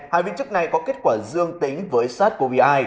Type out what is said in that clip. hai viên chức này có kết quả dương tính với sars cov hai